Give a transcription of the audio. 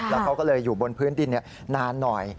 แล้วเขาก็เลยอยู่บนพื้นดินนานหน่อย